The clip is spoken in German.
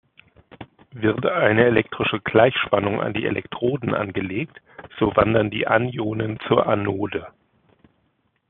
Wird eine elektrische Gleichspannung an die Elektroden angelegt, so wandern die Anionen zur Anode.